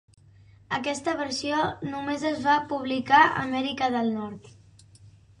Aquesta versió només es va publicar a Amèrica del Nord.